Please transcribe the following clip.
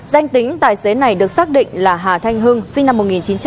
danh tính tài xế này được xác định là hà thanh hưng sinh năm một nghìn chín trăm tám mươi